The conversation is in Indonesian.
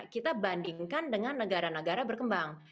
kita bandingkan dengan negara negara berkembang